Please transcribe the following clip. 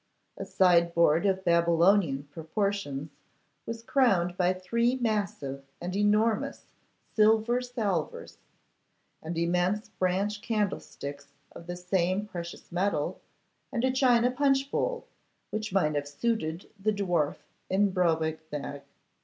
A sideboard of Babylonian proportions was crowned by three massive and enormous silver salvers, and immense branch candlesticks of the same precious metal, and a china punch bowl which might have suited the dwarf in Brobdignag.